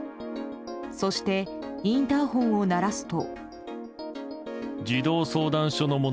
そしてインターホンを鳴らすと。